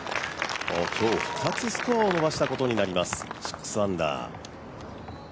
今日２つスコアを伸ばしたことになります、６アンダー。